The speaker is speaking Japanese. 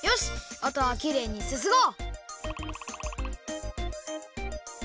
あとはきれいにすすごう！